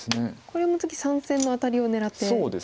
これも次３線のアタリを狙っていますよね。